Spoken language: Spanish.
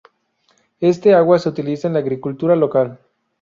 Este agua se utiliza en la agricultura local.